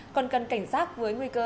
còn cần cảnh sát với nguy cơ